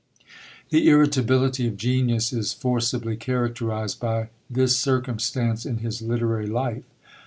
The irritability of genius is forcibly characterised by this circumstance in his literary life.